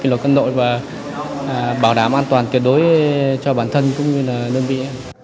kỷ luật cân đội và bảo đảm an toàn kết đối cho bản thân cũng như là đơn vị